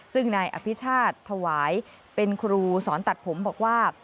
ซึ่งนายอภิชาติถวายเป็นครูสอนตัดผมบอกว่า